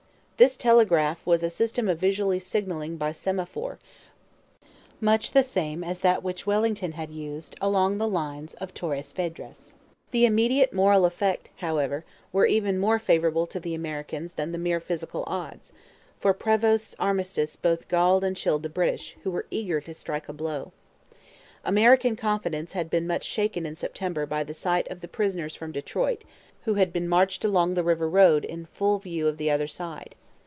This 'telegraph' was a system of visual signalling by semaphore, much the same as that which Wellington had used along the lines of Torres Vedras. The immediate moral effects, however, were even more favourable to the Americans than the mere physical odds; for Prevost's armistice both galled and chilled the British, who were eager to strike a blow. American confidence had been much shaken in September by the sight of the prisoners from Detroit, who had been marched along the river road in full view of the other side.